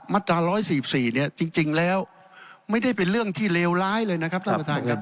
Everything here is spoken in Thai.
ตรา๑๔๔เนี่ยจริงแล้วไม่ได้เป็นเรื่องที่เลวร้ายเลยนะครับท่านประธานครับ